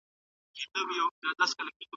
که څېړنه په ګډه وي نو پایله یې ښه وي.